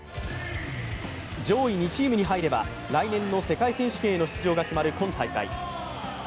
上位２チームに入れば来年の世界選手権への出場が決まる今大会。